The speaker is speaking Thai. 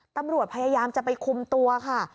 ตำรวจพยายามจะไปคุมตัวค่ะ